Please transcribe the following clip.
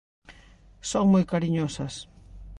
Son moi cariñosas.